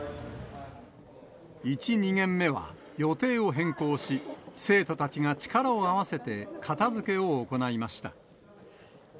１、２限目は予定を変更し、生徒たちが力を合わせて片づけを行いました。